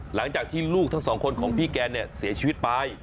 หลังจากที่ลูกทั้งสองคนของพี่แกเนี่ยเสียชีวิตไป